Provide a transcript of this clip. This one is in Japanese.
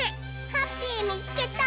ハッピーみつけた！